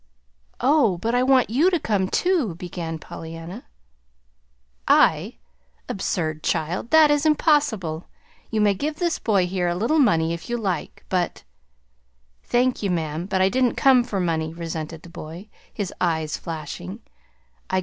"Oh, but I want you to come, too," began Pollyanna. "I? Absurd, child! That is impossible. You may give this boy here a little money, if you like, but " "Thank ye, ma'am, but I didn't come for money," resented the boy, his eyes flashing.